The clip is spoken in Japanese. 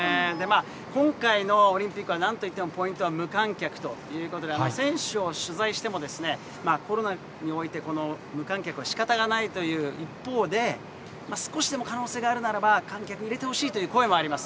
今回のオリンピックはなんといっても、ポイントは無観客ということで、選手を取材しても、コロナにおいて無観客はしかたがないという一方で、少しでも可能性があるならば、観客入れてほしいという声もあります。